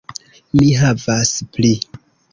Mi havas pli